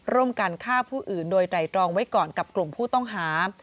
ร่วมกันฆ่าผู้อื่นโดยไตรตรองไว้ก่อนกับกลุ่มผู้ต้องหา